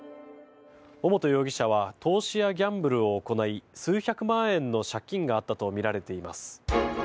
尾本容疑者は投資やギャンブルを行い数百万円の借金があったとみられています。